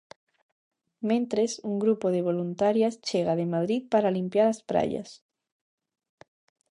Mentres, un grupo de voluntarias chega de Madrid para limpar as praias.